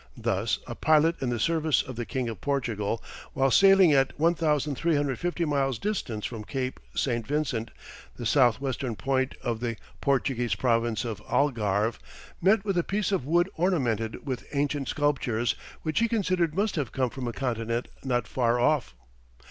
Thus, a pilot in the service of the King of Portugal, while sailing at 1350 miles' distance from Cape St. Vincent, the south western point of the Portuguese province of Algarve, met with a piece of wood ornamented with ancient sculptures, which he considered must have come from a continent not far off.